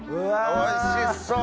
おいしそう。